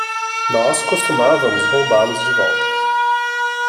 Nós costumávamos roubá-los de volta.